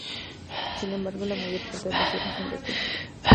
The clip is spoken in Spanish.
Sin embargo la mayor parte de las tierras son de cultivo.